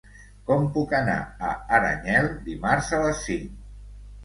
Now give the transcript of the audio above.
Com puc anar a Aranyel dimarts a les cinc?